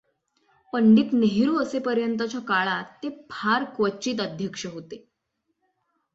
पंडित नेहरू असेपर्यंतच्या काळात ते फार क्वचित अध्यक्ष होते